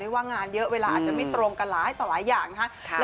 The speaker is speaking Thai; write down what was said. ว่างานเยอะเวลาอาจจะไม่ตรงกันหลายต่อหลายอย่างนะครับ